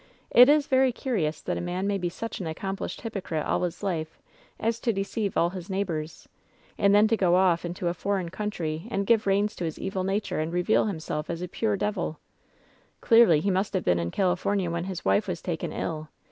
It is very curious that a man may be luch an accomplished hypocrite all his life as to deceive LOVE'S BITTEREST CUP 245 all his neighbors, and then to go off into a foreign coun try and give reins to his evil nature and reveal himself as a pure devil I Clearly he must have been in Cali fomia when his wife was taken ill.